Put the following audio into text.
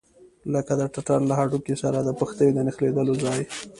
لکه د ټټر له هډوکي سره د پښتۍ د نښلېدلو ځای.